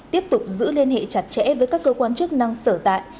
tiếp tục giữ liên hệ chặt chẽ với các cơ quan chức năng sở tại